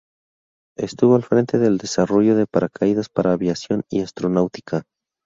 Estuvo al frente del desarrollo de paracaídas para aviación y astronáutica.